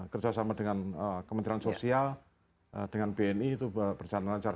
kerjasama dengan kementerian sosial dengan bni itu berjalan lancar